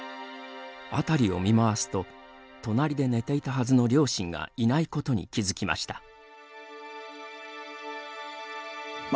辺りを見回すと隣で寝ていたはずの両親がいないことに気付きました。